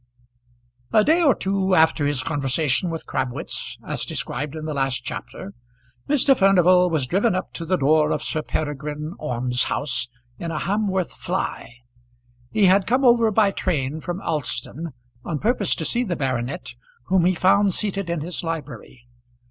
A day or two after his conversation with Crabwitz, as described in the last chapter, Mr. Furnival was driven up to the door of Sir Peregrine Orme's house in a Hamworth fly. He had come over by train from Alston on purpose to see the baronet, whom he found seated in his library.